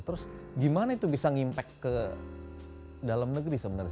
terus gimana itu bisa ngimpak ke dalam negeri sebenarnya